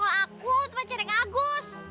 kalau aku tuh pacar yang agus